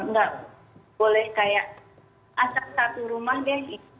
enggak boleh kayak asal satu rumah deh